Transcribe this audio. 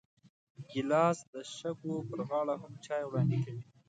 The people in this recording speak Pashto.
ګیلاس د شګو پر غاړه هم چای وړاندې کوي.